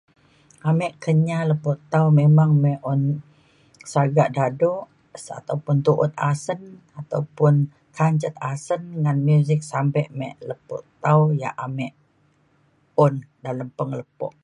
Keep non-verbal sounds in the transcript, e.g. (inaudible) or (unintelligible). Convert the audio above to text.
Ame Kenyah lepo tau memang bek' un sagak dado (unintelligible) ataupun tuut asen ataupun kanjet asen ngan music sape me lepo tau yak ame un dalem penglepo.